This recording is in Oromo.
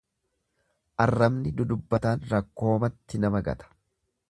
Arrabni dudubbataan rakkoomatti nama gata.